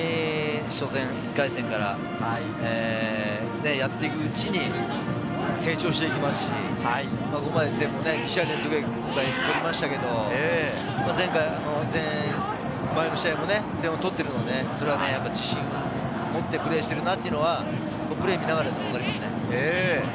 １回戦からやっていくうちに成長していきますし、２試合連続で点を取りましたけれど、前の試合も点を取っているので、自信を持ってプレーをしているなと、プレーを見ながら分かります。